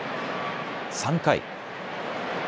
３回。